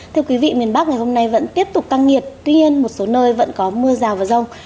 thưa quý vị miền bắc ngày hôm nay vẫn tiếp tục tăng nhiệt tuy nhiên một số nơi vẫn có mưa rào và rông